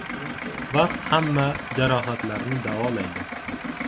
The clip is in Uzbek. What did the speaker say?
Vaqt hamma jarohatlarni davolaydi.